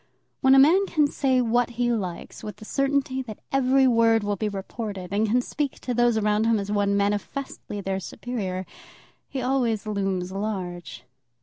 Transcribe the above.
When a man can say what he likes with the certainty that every word will be reported, and can speak to those around him as one manifestly their superior, he always looms large.